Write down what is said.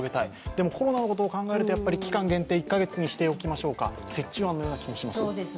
でも、コロナのことを考えると期間限定、１カ月にしておきましょうか折衷案のような気もします。